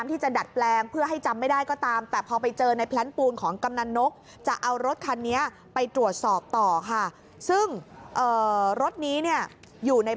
ถอดไฟกระจังหน้านี่แหละค่ะ